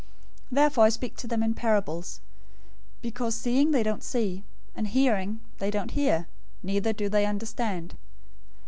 013:013 Therefore I speak to them in parables, because seeing they don't see, and hearing, they don't hear, neither do they understand.